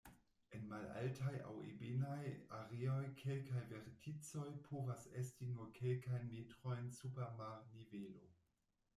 En malaltaj aŭ ebenaj areoj kelkaj verticoj povas esti nur kelkajn metrojn super marnivelo.